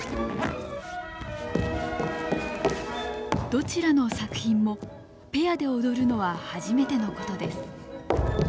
どちらの作品もペアで踊るのは初めてのことです。